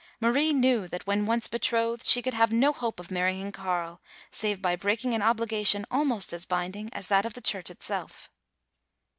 Marie knew that when once betrothed, she could have no hope of marrying Carl, save by breaking an obligation almost as binding as that of the church itself.